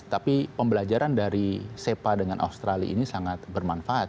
tapi pembelajaran dari sepa dengan australia ini sangat bermanfaat